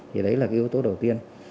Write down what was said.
thì đấy là cái yếu tố đầu tiên